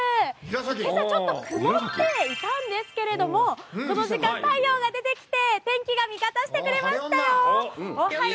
けさ、ちょっと曇っていたんですけれども、この時間、太陽が出てきて、天気が味方してくれましたよ。